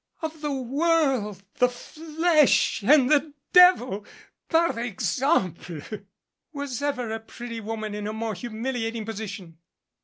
of the world, the flesh and the devil, par exemple! Was ever a pretty woman in a more humiliating position